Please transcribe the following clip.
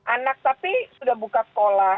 anak tapi sudah buka sekolah